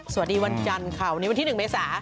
สวัสดีวันจันทร์ข่าวนี้วันที่๑เมษา